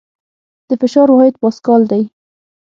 د فشار واحد پاسکل دی.